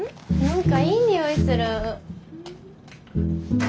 何かいい匂いする。